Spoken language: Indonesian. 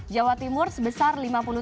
jawa timur sebesar lima puluh tujuh